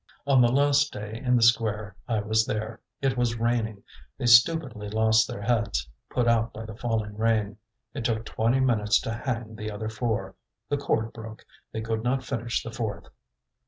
"On the last day in the square I was there. It was raining; they stupidly lost their heads, put out by the falling rain. It took twenty minutes to hang the other four; the cord broke, they could not finish the fourth.